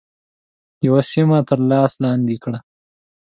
یوه سیمه تر لاس لاندي کړي.